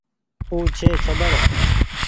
او ڇي ڇٻر ۔